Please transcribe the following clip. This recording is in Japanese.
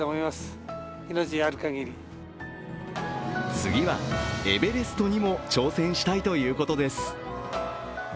次はエベレストにも挑戦したいということです。